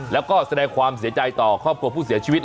แล้วก็แสดงความเสียใจต่อครอบครัวผู้เสียชีวิต